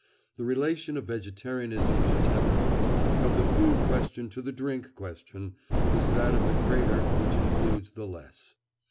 The relation of vegetarianism to temperance, of the food question to the drink question, is that of the greater which includes the less.